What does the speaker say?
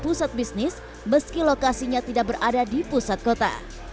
pusat bisnis meski lokasinya tidak berada di pusat kota